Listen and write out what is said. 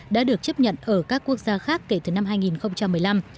đã được chấp nhận ở các quốc gia khác kể từ năm hai nghìn một mươi năm